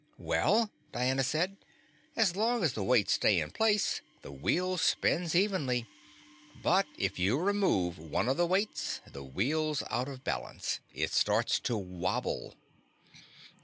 "Well," Diana said, "as long as the weights stay in place, the wheel spins evenly. But if you remove one of the weights, the wheel's out of balance. It starts to wobble."